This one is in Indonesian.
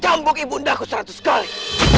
jambuk ibu ndapul seratus kali